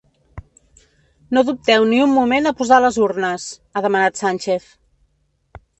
No dubteu ni un moment a posar les urnes –ha demanat Sànchez–.